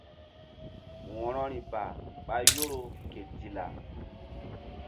Wo̧rori ba ɓa Yoro ke Dilla.